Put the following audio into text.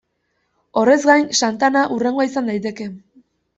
Horrez gain, Santana hurrengoa izan daiteke.